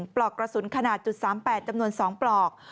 ปลอกกระสุนขนาด๓๘จำนวน๒ปลอก